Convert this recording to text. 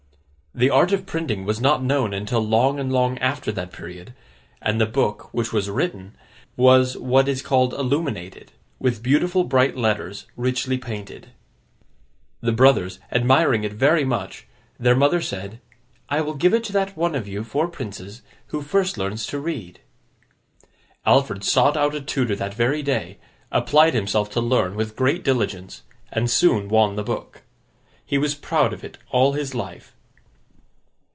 The art of printing was not known until long and long after that period, and the book, which was written, was what is called 'illuminated,' with beautiful bright letters, richly painted. The brothers admiring it very much, their mother said, 'I will give it to that one of you four princes who first learns to read.' Alfred sought out a tutor that very day, applied himself to learn with great diligence, and soon won the book. He was proud of it, all his life.